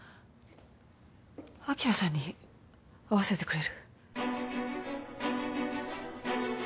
晶さんに会わせてくれる？